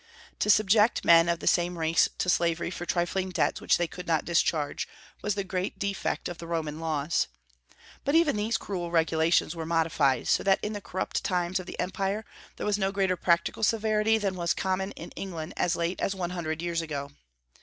To subject men of the same race to slavery for trifling debts which they could not discharge, was the great defect of the Roman laws. But even these cruel regulations were modified, so that in the corrupt times of the empire there was no greater practical severity than was common in England as late as one hundred years ago.